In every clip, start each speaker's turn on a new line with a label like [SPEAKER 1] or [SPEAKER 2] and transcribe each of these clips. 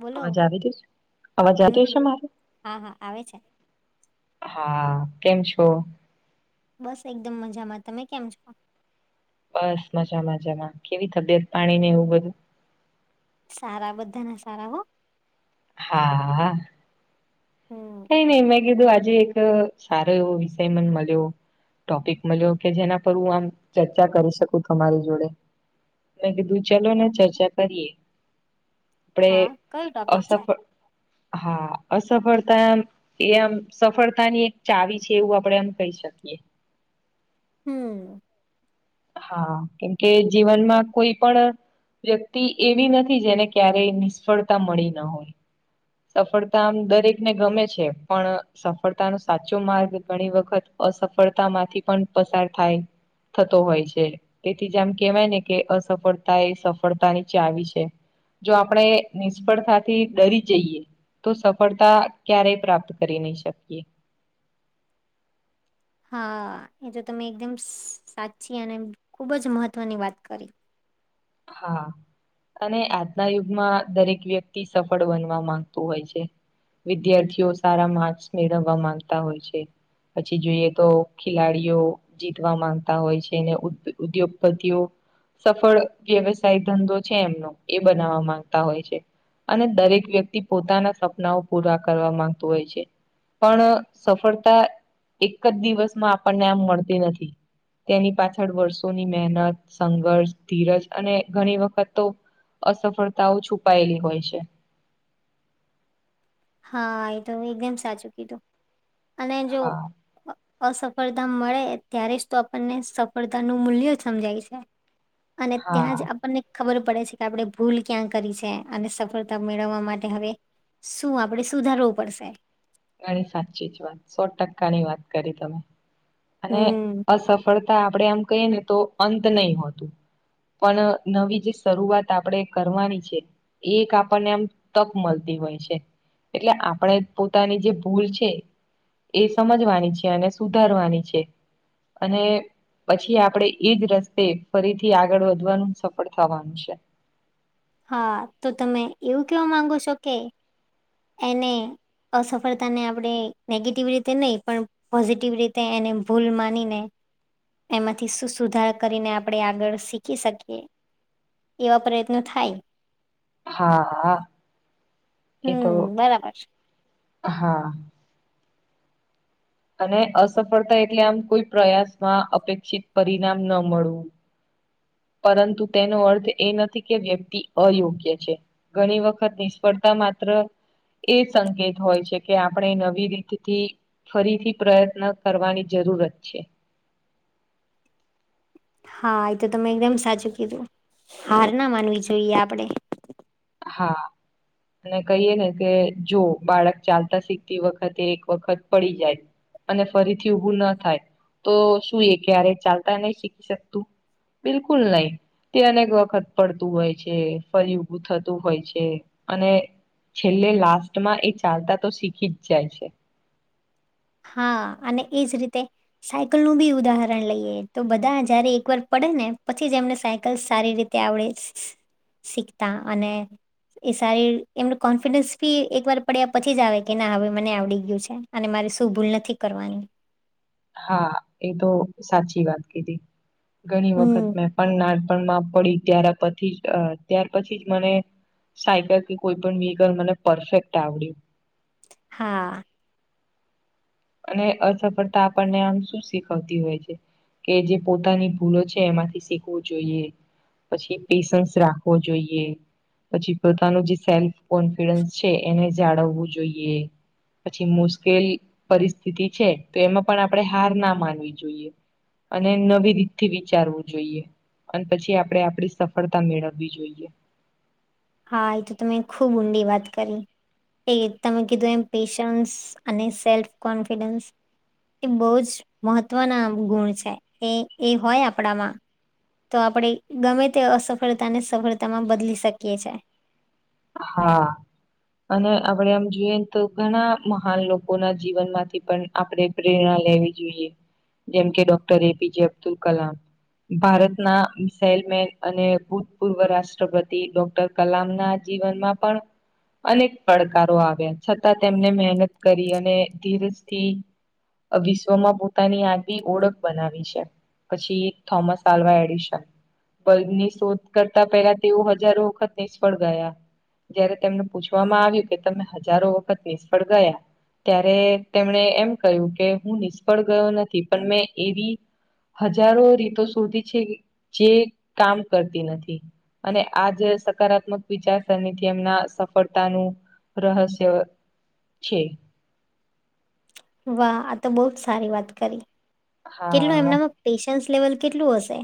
[SPEAKER 1] બોલો
[SPEAKER 2] અવાજ આવી રય છે, અવાજ આવી રય
[SPEAKER 1] હમ
[SPEAKER 2] છે, મારે
[SPEAKER 1] હા હા આવે છે.
[SPEAKER 2] હા કેમ છો?
[SPEAKER 1] બસ એકદમ મજામાં તમે કેમ છો?
[SPEAKER 2] બસ મજા મજામાં કેવી તબિયત પાણી ને એવું બધું?
[SPEAKER 1] સારાં બધાના સારા હો
[SPEAKER 2] હા.
[SPEAKER 1] હમ
[SPEAKER 2] કંઈ ની મેં કીધું આજે એક સારો એવો વિષય મન મલ્યો ટોપિક મલ્યો કે જેના પર હું આમ ચર્ચા કરી શકું તમારી જોડે મેં કીધું ચલોને
[SPEAKER 1] ઓહ,
[SPEAKER 2] ચર્ચા કરીએ. આપણે
[SPEAKER 1] હા કયું ટોપિક છે?
[SPEAKER 2] અસફળ હા અફસળ તા એમ સફળતાની એક ચાવી છે, એવું આપડે એમ કહી શકીએ
[SPEAKER 1] હમ્મ.
[SPEAKER 2] હા કેમકે જીવનમાં કોઈ પણ વ્યક્તિ એવી નથી જેને ક્યારેય નિષ્ફળતા મળી ન હોય. સફળતા આમ દરેકને ગમે છે, પણ સફળતાનો સાચ્ચો માર્ગ ઘણી વખત અસફળતામાંથી પણ પસાર થાય થતો હોય છે. તેથી જ આમ કેવાય ને કે અસફળતા એ સફળતાની ચાવી છે. જો આપણેે નિષ્ફળતાથી ડરી જઈએ તો સફળતા ક્યારેય પ્રાપ્ત કરી નહી શકીએ
[SPEAKER 1] હા એ તો તમે એકદમ સાચ્ચી અને ખૂબ જ મહત્વની વાત કરી
[SPEAKER 2] હા. અને આજના યુગમાં દરેક વ્યક્તિ સફળ બનવા માંગતું હોય છે. વિદ્યાર્થીઓ સારા માર્ક્સ મેળવવા માંગતા હોય છે. પછી જોઈએ તો ખિલાડીઓ જીતવા માંગતા હોય છે, ને ઉધ ઉદ્યોગપતિઓ સફળ વ્યવસાય ધંધો છે, એમનો એ બનાવવા માંગતા હોય છે. અને દરેક વ્યક્તિ પોતાના સપનાઓ પૂરા કરવા માંગતું હોય છે. પણ સફળતા એક જ દિવસમાં આપણને આમ મળતી નથી. તેની પાછળ વર્ષોની મહેનત, સંઘર્ષ, ધીરજ અને ઘણી વખત તો અસફળતાઓ છુપાયેલી હોય છે.
[SPEAKER 1] હા એ તમે એકદમ સાચું કીધું અને જો
[SPEAKER 2] હા
[SPEAKER 1] અસફળતા મળે ત્યારે જ તો આપણને સફળતાનું મૂલ્ય જ સમજાય છે.
[SPEAKER 2] [inaudible]
[SPEAKER 1] અને ત્યાંજ
[SPEAKER 2] હા
[SPEAKER 1] આ પણને ખબર પડે છે, કે આપણે ભૂલ ક્યાં કરી છે, અને સફળતા મેળવવા માટે હવે શું આપણે સુધારવું પડશે
[SPEAKER 2] ઘણી સાચ્ચી જ વાત સો ટકાની વાત કરી તમે અને
[SPEAKER 1] હમ
[SPEAKER 2] અસફળતા આપણેે આમ કહીએ ને તો અંત નહી હોતું પણ નવી જે શરૂઆત આપણેે કરવાની છે. એ એક આપણને આમ તક મલતી હોય છે, એટલે આપણે પો તાની જે ભૂલ છે, એ સમજવાની છે, અને સુધારવાની છે. અને પછી આપડણે ઈજ રસ્તે ફરીથી આગળ વધવાનું સફળ થવાનું છે.
[SPEAKER 1] હા તો તમે એવું કેવા માંગો સો કે. એને અસફળતાને આપણે નેગેટિવ રીતે નહીં પણ પોઝિટિવ રીતે એને ભૂલ માનીને એમાંથી શું સુધાર કરીને આપણે આગળ શીખી શકીએ? એવા પ્રયત્નો થાય.
[SPEAKER 2] હા હા એ તો.
[SPEAKER 1] હમ બરાબર છે.
[SPEAKER 2] હા. અને અસફળતા એટલે આમ કોઈ પ્રયાસમાં અપેક્ષિત પરિણામ ન મળવું. પરંતુ તેનો અર્થ એ નથી કે વ્યક્તિ અયોગ્ય છે. ઘણી વખત નિષ્ફર્તા માત્ર, એ સંકેત હોય છે કે આપણે નવી રીતથી, ફરીથી પ્રયત્ન કરવાની જરૂરત છે.
[SPEAKER 1] હા એ તો તમે એકદમ સાચું કીધું, હાર ના માનવી જોઈએ આપણેે
[SPEAKER 2] હા. અને કહીએ ને કે જો બાળક ચાલતા શીખતી વખતે એક વખત પડી જાય અને ફરીથી ઉભું ના થાય તો શું એ ક્યારે ચાલતા નહી શીખી શકતું. બિલકુલ નહી તે અનેક વખત પડતું હોય છે, ફરી ઉભું થ- તુ હોય છે અને છેલ્લે લાસ્ટમાં એ ચાલતા તો શીખી જ જાય છે.
[SPEAKER 1] હા અને એજ રીતે સાયકલ નું બી ઉદાહરણ લઈએ તો બધાય જયારે એકવાર પડે ને પછી જ એમને સાયકલ સારી રીત તે આવડે શીખતા અને એ સારી એમનું કોન્ફિડન્સ ભી એકવાર પડ્યા પછી જ આવે કે ના હવે મને આવડી ગયું છે અને મારે તું ભૂલ નથી કરવાની,
[SPEAKER 2] હા એ તો સાચી વાત કીધી, ઘણી વખત
[SPEAKER 1] હમ
[SPEAKER 2] મેં પણ નાનપણમાં પડી, ત્યારે પતીજ અ ત્યાર પછી જ મને સાયકલ કે કોઈ પણ વ્હીકલ મને પરફેક્ટ આવડ્યું.
[SPEAKER 1] હા.
[SPEAKER 2] અને અસફળતા આપણને આમ શું શીખવતી હોય છે, એ જે પોતાની ભૂલો છે એમાંથી શિખવું જોઈએ. પછી પેશન્સ રાખવો જોઈએ, પછી પોતાનું જે સેલ્ફ- કોન્ફિડન્સ છે એને જાળવવું જોઈએ, પછી મુશ્કેલી પરિસ્થિતિ છે તો એમાં પણ આપણે હાર ના માનવી જોઈએ. અને નવી રીતથી વિચારવું જોઈએ. અને પછી આપડે આપડી સફળતા મેળવવી જોઈએ.
[SPEAKER 1] હા એ તો તમે ખૂબ ઊંડી વાત કરી. એ તમે કીધું એમ પેશન્સ અને સેલ્ફ કોન્ફિડન્સ, એ બહુ જ મહત્વના ગુણ છે એ એ હોય આપણામાં તો આપણે ગમે તે અસફળતા ને સફળતામાં બદલી શકીએ છે.
[SPEAKER 2] હા. અને આપડે આમ જોઈએ તો ઘણા મહાન લોકોના જીવનમાંથી પણ આપડે પ્રેરણા લેવી જોઈએ, જેમ કે ડોક્ટર એપીજે અબ્દુલકલામ, ભારતના સેલમેન અને ભૂતપૂર્વ રાષ્ટ્રપતિ ડોક્ટર કલામના જીવનમાં પણ અનેક પડકારો આવ્યા છતાં તેમને મહેનત કરી ધીરજથી, આ વિશ્વમાં પોતાની આગવી ઓળખ બનાવી છે. પછી થોમસ આલ્વાએડિશન, બલ્બની શોધ કરતા પેલા તેઓ હજારો વખત નિષ્ફળ ગયા. ત્યારે તેમને પૂછવામાં આવ્યું કે તમે હજારો વખત નિષ્ફળ ગયા, ત્યારે તેમણે એમ કહ્યું કે હું નિષ્ફળ ગયો નથી. પણ મેં એવી, હજારો રિતો શોધી છે જે કામ કરતી નથી. અને આ જે સકારાત્મક વિચાર, અને તેમના સફળતાનું રહસ્ય છે.
[SPEAKER 1] વાહ, આ તો બહુ જ સારી વાત કરી. કેટલું
[SPEAKER 2] હા
[SPEAKER 1] એમનામાં પેશન્સ લેવલ કેટલું હશે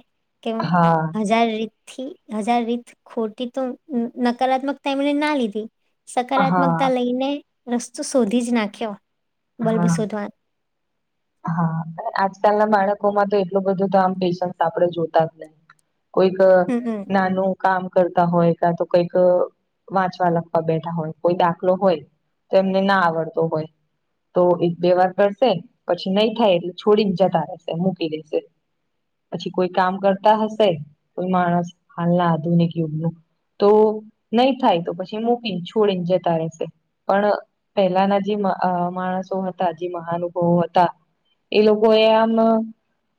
[SPEAKER 1] કે
[SPEAKER 2] હા
[SPEAKER 1] હજાર રી થી હજાર રીત ખોટી તો નકારાત્મક તેમણે ના લીધી,
[SPEAKER 2] હા
[SPEAKER 1] સકારાત્મકતા લઈને રસ્તો શોધી જ નાખ્યો. બલ્બ
[SPEAKER 2] હા
[SPEAKER 1] શોધવા નો,
[SPEAKER 2] હા આજકાલના બાળકોમાં તો એટલું બધું તો આમ પેશન્સ આપડે જોતા જ નહી. કોઈક
[SPEAKER 1] હમ હમ
[SPEAKER 2] નાનું, કામ કરતા હોય કાતો કઈક વાંચવા-લખવા બેઠા હોય કોઈ દાખલો હોય, તો એમને ના આવડતો હોય તો એક-બે વાર કરશે, પછી નહી થાય એટલે છોડીને જતા રહેશે, મૂકી દેશે. પછી કોઈ કામ કરતા હશે કોઈ માણસ હાલના આધુનિક યુગનું, તો નહી થાય તો પછી મૂકીને છોડીને જતા રેહશે. પણ પેહલાના જે મ-અ-માણસો હતા જે મહાનુભાવો હ હતા એ લોકોએ આમ,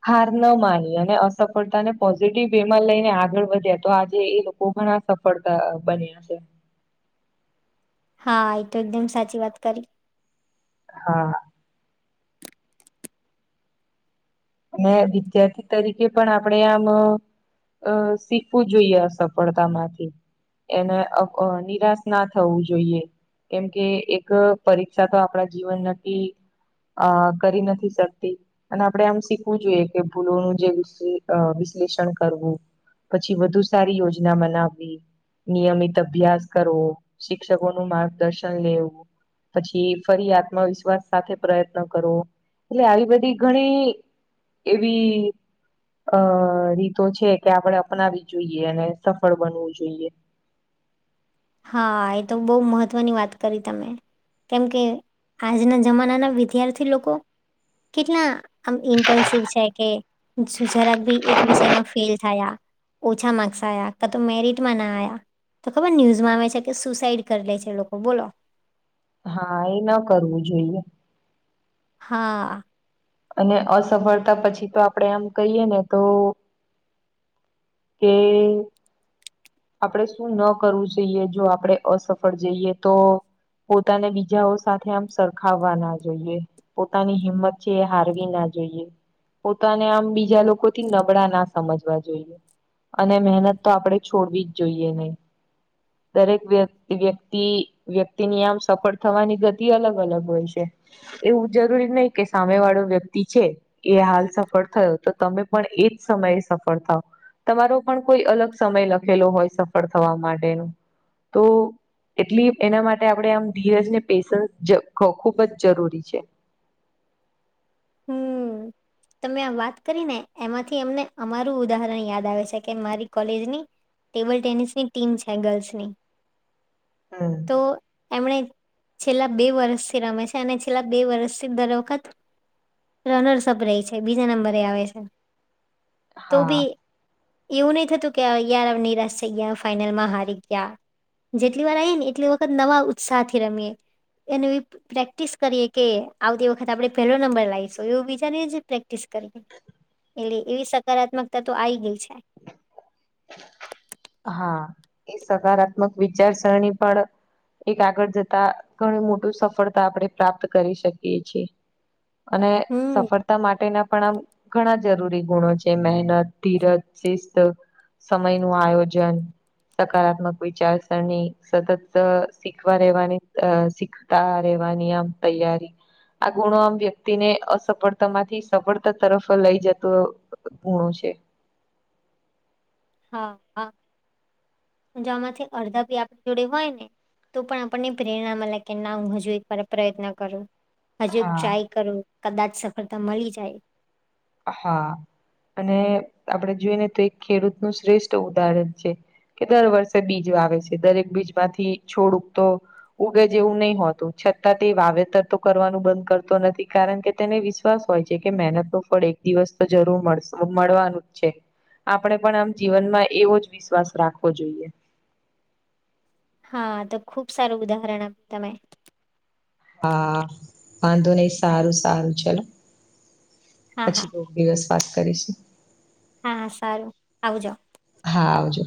[SPEAKER 2] હાર ન માની અને અસફળતા ને પોઝિટિવ વેમાં લઈને આગળ વધ્યા તો આજે એ લો લોકો ઘણા સફળતા બન્યા છે.
[SPEAKER 1] હા એ તો એકદમ સાચી વાત કરી.
[SPEAKER 2] હા.. અને વિદ્યાર્થી તરીકે પણ આપડે આમ, અ શીખવું જોઈએ અસફળતામાંથી, એને [unintelligible] [inaudible] નિરાશ ના થવું જોઈએ. કેમકે એક પરીક્ષા તો આપણા જીવન નથી, અ કરી નથી શકતી અને આપડે આમ, શીખવું જોઈએ કે ભૂલોનું જે વિશ્લેષણ કરવું. પછી વધુ સારી યોજના બનાવવી, નિયમિત અભ્યાસ કરવો શિક્ષકોનું માર્ગદર્શન લેવું પછી ફરી આત્મવિશ્વાસ સાથે પ્રયત્ન કરો એટલે આવી બધી ઘણી, એવી, અ રીતો છે કે આપણેે અપનાવી જોઈએ અને સફળ બનવું જોઈએ.
[SPEAKER 1] હા એતો બહુ મહત્વની વાત કરી તમે, કેમ કે આજના જમાનાના વિદ્યાર્થી લોકો કેટલા, આમ ઇમ્પલસિવ છે કે જરાક ભી એક વિષયમાં ફેલ થાયા, ઓછા માર્ક્સ આયા કાતો મેરિટમાં ના આયા તો ખબર ન્યુઝ માં આવે છે કે સુસાઈડ કરી લે છે લોકો બોલો.
[SPEAKER 2] હા એ ન કરવું જોઈએ.
[SPEAKER 1] હા,
[SPEAKER 2] અને અસફળતા પછી તો આપડે એમ કહીએને તો, કે આપણેે શું ન કરવું જોઈએ જો આપણે અસફળ જઈએ તો પોતાને બીજાઓ સાથે આમ સરખાવવા ના જોઈએ પોતાની હિંમત છે એ હારવી ના જોઈએ પોતાને આમ બીજા લોકોથી નબળા ના સમજવા જોઈએ અને મહેનત તો આપડે જ છોડવી જ જોઈએ નહી દરેક વ્ય-વ્યક્તિ વ્યક્તિની આમ સફળ થવાની ગતિ અલગ-અલગ હોય છે એવું જરૂરી નહી કે સામે વાળો વ્યક્તિ છે. એ હાલ સફળ થયો તો તમે પણ એજ સમયે સફળ થાવ તમારો પણ કોઈ અલગ સમય લખેલો સફળ માટેનું તો એટલી એના માટે આપણે આમ ધીરજને પેશન્સ જ ખ-ખૂબ જ જરૂરી છે.
[SPEAKER 1] હમ્મ.
[SPEAKER 2] [inaudible]
[SPEAKER 1] તમે આ વાત કરી ને એમાંથી અમને અમારું ઉદાહરણ યાદ આવે છે કે મારી કોલેજની ટેબલ ટેનિસ ની ટીમ છે ગર્લ્સ ની
[SPEAKER 2] હમ્મ
[SPEAKER 1] તો એમણે છેલ્લા બે વર્ષથી રમે છે અને છેલ્લા બે વર્ષથી દર વખત તો એનો હીસાબ રે છે બીજા નંબરે આવે છે તો
[SPEAKER 2] હા
[SPEAKER 1] બી એવું નહી થતું કે યાર આમ નિરાશ થઇ ગયા ફાઈનલમાં હારી ગયા જેટલી વાર આઈએ ને એટલી વખત નવા ઉત્સાહ થી રમીએ એનું ઈ પ્રેક્ટિસ કરીએ કે આવતી વખત આપડણે પહેલો નંબર લાવ છે સોએવું બીજાને જ પ્રેક્ટિસ કરી એટલે એવી સકારાત્મકતા તો આયી ગઈ છે
[SPEAKER 2] હા એ સકારાત્મક વિચારસરણી પણ એક આગળ જતા ઘણું મોટું સફળતા આપણડે પ્રાપ્ત કરી શકીએ છીએ અને
[SPEAKER 1] હમ
[SPEAKER 2] સફળતા માટે ના પણ આમ ઘણા જરૂરી ગુણો છે મહેનત ધીરજ શિસ્ત સમય નું આયોજ જન સકારાત્મક વિચારસરણી સતત શીખવા રહેેવાની અ શીખ તા રહેવાની આમ તૈયારી આ ગુણો આમ વ્યક્તિ ને અસફળતા માંથી સફળતા તરફ લઈ જતો પૂણું છે
[SPEAKER 1] હા હા જો આમાંથી અડધા બી આપડી જોડે હોય ને તો પણ આપણને પ્રેરણા મલે કે ના હું હજુ એક વાર પ્રયત્ન કરું હજુ
[SPEAKER 2] હા
[SPEAKER 1] ટ્રાય કરો કદાચ સફળતા મળી જાય
[SPEAKER 2] હા અને આપડે જોઈએ ને તો એક ખેડૂત નું શ્રેષ્ઠ ઉદાહરણ છે કે દર વર્ષે બીજ વાવે છે દરેક બીજ માંથી છોડ ઉગતો ઉગે જેવું નહી હોતું છતાં તે વાવેતર તો કરવાનું બંધ કરતો નથી કારણ કે તેને વિસ વિશ્વાસ હોય છે કે મહેનત નો ફળ એક દિવસ તો જરૂર મળશે મળવાનું જ છે આપણે પણ આમ જીવનમાં એવોજ વિશ્વાસ રાખવો જોઈએ
[SPEAKER 1] હા તો ખુબ સારું ઉદાહરણ આપ્યું તમે
[SPEAKER 2] હા વાંધો નહી સારું સારું ચલો
[SPEAKER 1] હા
[SPEAKER 2] પછી
[SPEAKER 1] હા
[SPEAKER 2] મ દિવસ વાત કરીશું
[SPEAKER 1] હા સારુ આવજો
[SPEAKER 2] હા આવજો